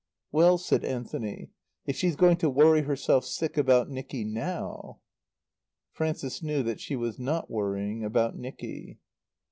"Well," said Anthony, "if she's going to worry herself sick about Nicky now " Frances knew that she was not worrying about Nicky.